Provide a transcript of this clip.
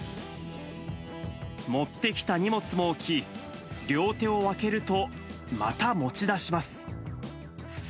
持ってきた荷物も置き、両手を空けると、また持ち出します。